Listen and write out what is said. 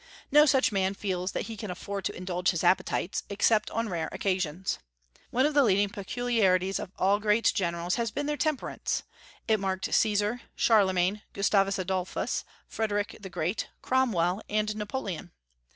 No such man feels that he can afford to indulge his appetites, except on rare occasions. One of the leading peculiarities of all great generals has been their temperance. It marked Caesar, Charlemagne, Gustavus Adolphus, Frederic the Great, Cromwell, and Napoleon.